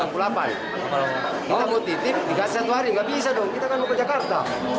kita mau titip dikasih satu hari nggak bisa dong kita kan mau ke jakarta